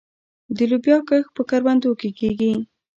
د لوبیا کښت په کروندو کې کیږي.